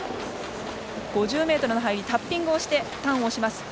５０ｍの入り、タッピングしてターンをします。